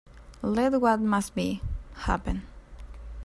Let what must be, happen.